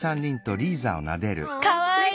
かわいい！